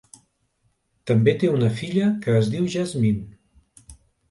També té una filla que es diu Jazmine.